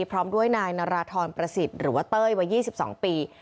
พร้อมด้วยนายนาราธรประสิทธิ์หรือว่าเต้ยวัย๒๒ปี